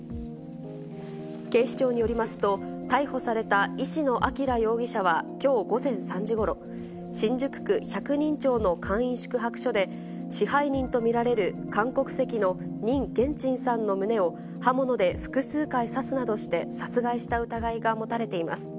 警視庁によりますと、逮捕された石野彰容疑者は、きょう午前３時ごろ、新宿区百人町の簡易宿泊所で、支配人と見られる韓国籍のニンゲンチンさんの胸を刃物で複数回刺すなどして殺害した疑いが持たれています。